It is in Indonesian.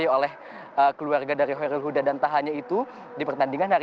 yang terakhir adalah yang terakhir